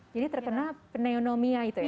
jadi terkena pneumonia itu ya